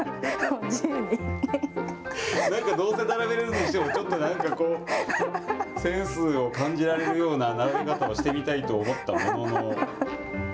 なんかどうせ並べるにしても、ちょっとなんかこう、センスを感じられるような並べ方をしてみたいと思ったものの。